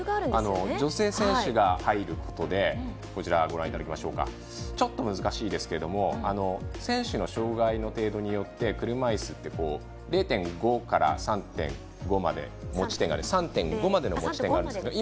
女性選手が入ることでちょっと難しいですけれども選手の障がいの程度によって車いすって０．５から３．５までの持ち点があるんですけれども。